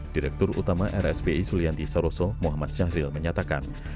direktur utama rsbi sulianti saroso muhammad syahril menyatakan